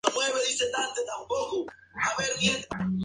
Cuenta con la colaboración de Lloyd Cole en En Silencio.